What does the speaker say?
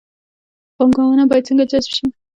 پانګونه باید څنګه جذب شي؟